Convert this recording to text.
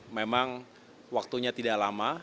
memang waktunya tidak lama